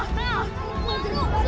lepus jangan lupus